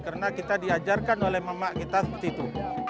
karena kita diajarkan oleh mamak kita seperti itu